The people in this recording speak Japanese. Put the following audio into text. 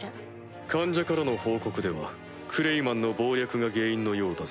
間者からの報告ではクレイマンの謀略が原因のようだぞ。